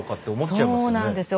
そうなんですよ。